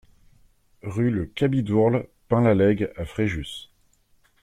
Rue Le Cabidourle Pin La Lègue à Fréjus